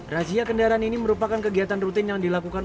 razia kendaraan ini merupakan kegiatan rutin yang dilakukan